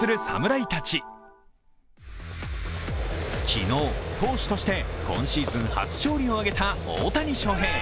昨日、投手として今シーズン初勝利を挙げた大谷翔平。